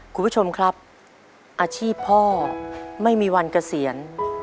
คุณผู้ชมครับอาชีพพ่อไม่มีวันเกษียณ